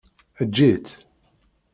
Eǧǧ-itt.